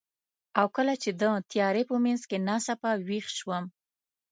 او کله چې د تیارې په منځ کې ناڅاپه ویښ شوم،